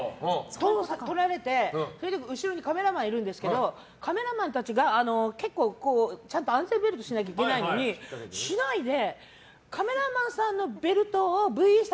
とられて、後ろにカメラマンがいるんですけどカメラマンたちが結構、ちゃんと安全ベルトしないといけないのに「アタックＺＥＲＯ部屋干し」の新作。